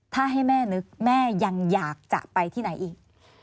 ถ้าให้แม่นึกแม่ยังอยากจะไปที่ไหนอีก